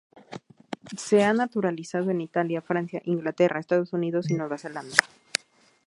Se ha naturalizado en Italia, Francia, Inglaterra, Estados Unidos y Nueva Zelanda.